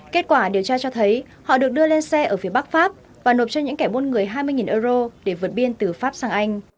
kết quả điều tra cho thấy họ được đưa lên xe ở phía bắc pháp và nộp cho những kẻ buôn người hai mươi euro để vượt biên từ pháp sang anh